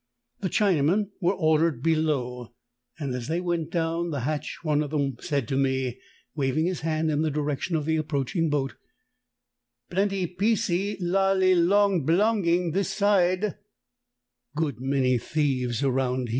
The Chinamen were ordered below, ^^ and as they went down the hatch one of them said to me, waving his hand in the direc tion of the approaching boat :' Plenty piecee la li loong blongy this side;' ('good many thieves around here.